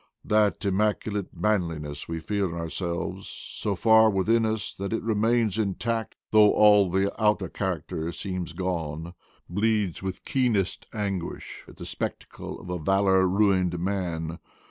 That immaculate manliness we feel in ourselves — so far within us that it remains intact though all the outer character seems gone — bleeds with keen est anguish at the spectacle of a valor ruined man.